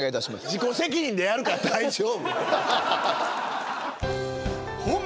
自己責任でやるから大丈夫。